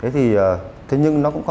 thế nhưng nó cũng có